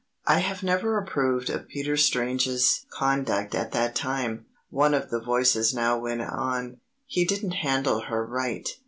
"I have never approved of Peter Strange's conduct at that time," one of the voices now went on. "He didn't handle her right.